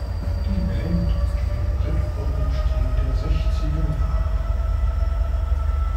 Die Band spielt Britpop im Stil der sechziger Jahre.